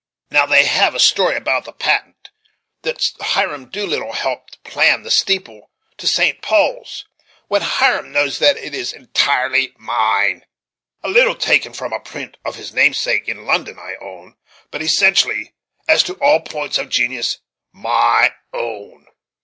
Now they have a story about the Patent,* that Hiram Doolittle helped to plan the steeple to St. Paul's; when Hiram knows that it is entirely mine; a little taken front a print of his namesake in London, I own; but essentially, as to all points of genius, my own."